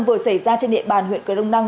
vừa xảy ra trên địa bàn huyện cửa đông năng